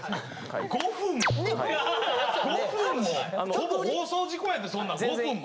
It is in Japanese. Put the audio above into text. ほぼ放送事故やでそんなん５分も。